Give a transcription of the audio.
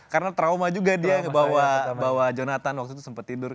karena trauma juga dia bawa jonathan waktu itu sempet tidur